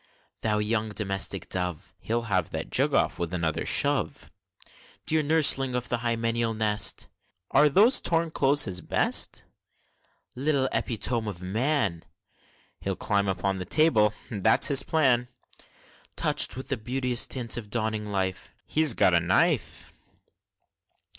Thou young domestic dove! (He'll have that jug off, with another shove!) Dear nurseling of the hymeneal nest! (Are those torn clothes his best?) Little epitome of man! (He'll climb upon the table, that's his plan!) Touch'd with the beauteous tints of dawning life (He's got a knife!)